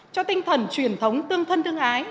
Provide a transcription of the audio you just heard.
cho tinh thần truyền thống tương thân thương ái